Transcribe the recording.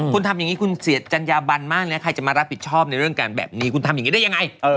คุณทำอย่างนี้คุณเสียจัญญาบันมากนะใครจะมารับผิดชอบในเรื่องการแบบนี้คุณทำอย่างนี้ได้ยังไง